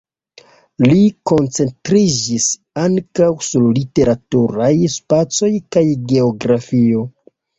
Li koncentriĝis ankaŭ sur literaturaj spacoj kaj geografio.